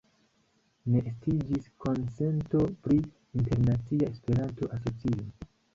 Ne estiĝis konsento pri internacia Esperanto-asocio.